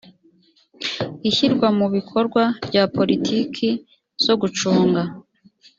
ishyirwa mu bikorwa rya politiki zo gucunga